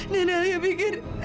dan alia mikir